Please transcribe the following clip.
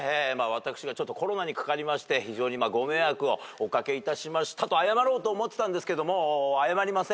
私がちょっとコロナにかかりまして非常にご迷惑をおかけいたしましたと謝ろうと思ってたんですけども。